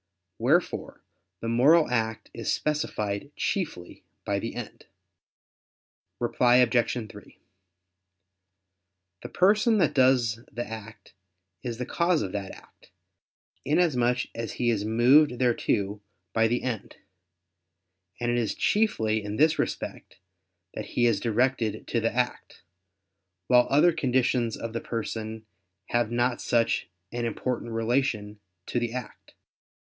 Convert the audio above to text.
Wherefore the moral act is specified chiefly by the end. Reply Obj. 3: The person that does the act is the cause of that act, inasmuch as he is moved thereto by the end; and it is chiefly in this respect that he is directed to the act; while other conditions of the person have not such an important relation to the act.